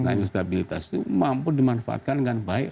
nah instabilitas itu mampu dimanfaatkan dengan baik